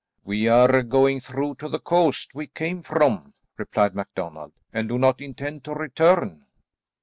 "We are going through to the coast we came from," replied MacDonald, "and do not intend to return."